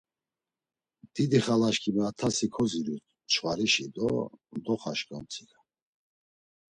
Didi xalaşǩimi a tasi koziru çxvarişi do, doxaşǩu amtsika.